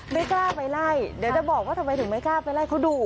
ไม่กล้าไปไล่เดี๋ยวจะบอกว่าทำไมถึงไม่กล้าไปไล่เขาดู